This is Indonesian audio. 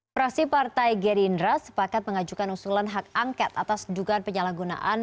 praksi partai gerindra sepakat mengajukan usulan hak angket atas dugaan penyalahgunaan